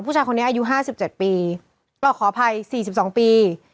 ผู้ชายคนนี้อายุ๕๗ปีก็ขออภัย๔๒ปี